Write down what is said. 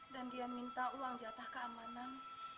dan dia minta uang jatah keamanan